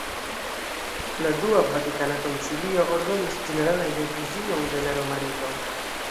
La Dua Vatikana Koncilio ordonis ĝeneralan revizion de la roma rito.